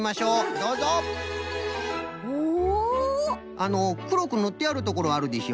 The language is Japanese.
あのくろくぬってあるところあるでしょ？